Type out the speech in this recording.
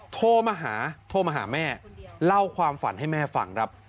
โทรมาหาแม่เล่าความฝันให้แม่ฟังครับ